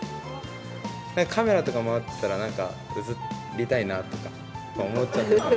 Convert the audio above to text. カメラとか回ってたら、なんか映りたいなとか思っちゃう。